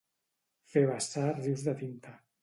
Fer vessar rius de tinta.